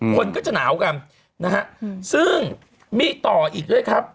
คนก็จะหนาวกันนะฮะซึ่งมีต่ออีกด้วยครับ